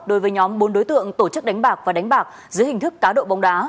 đối với nhóm bốn đối tượng tổ chức đánh bạc và đánh bạc dưới hình thức cá độ bóng đá